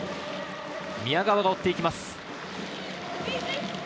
宮川が追っていきます。